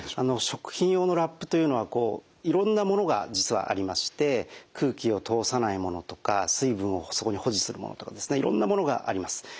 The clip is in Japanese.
食品用のラップというのはいろんなものが実はありまして空気を通さないものとか水分をそこに保持するものとかいろんなものがあります。